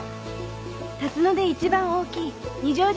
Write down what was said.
龍野で一番大きい二条路